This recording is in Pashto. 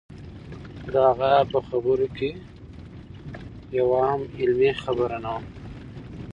د هغه په خبرو کې یوه هم علمي خبره نه وه.